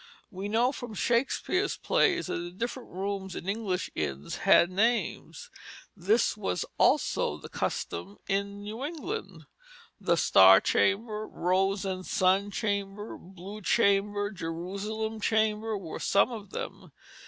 We know from Shakespeare's plays that the different rooms in English inns had names. This was also the custom in New England. The Star Chamber, Rose and Sun Chamber, Blue Chamber, Jerusalem Chamber, were some of them.